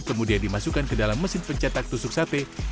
kemudian dimasukkan ke dalam mesin pencetak tusuk sate